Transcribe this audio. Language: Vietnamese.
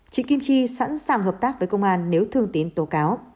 chị kim chi sẵn sàng hợp tác với công an nếu thương tín tố cáo